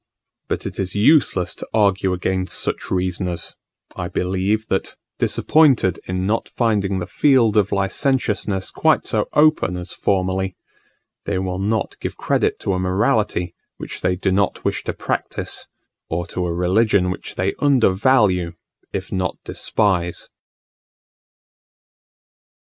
But it is useless to argue against such reasoners; I believe that, disappointed in not finding the field of licentiousness quite so open as formerly, they will not give credit to a morality which they do not wish to practise, or to a religion which they undervalue, if not despise.